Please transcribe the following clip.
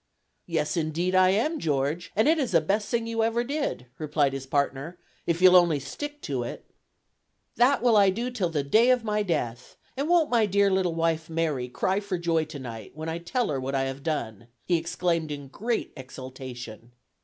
"Yes, indeed I am, George, and it is the best thing you ever did," replied his partner, "if you'll only stick to it." "That will I do till the day of my death; and won't my dear little wife Mary cry for joy to night, when I tell her what I have done!" he exclaimed in great exultation.